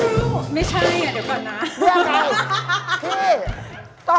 ไม่ใช่น่ะเดี๋ยวก่อนนะ